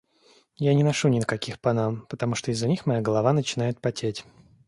Я не ношу никаких панам, потому что из-за них моя голова начинает потеть.